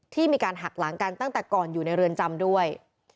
ที่มีการหักหลังกันตั้งแต่ก่อนอยู่ในเรือนจำด้วย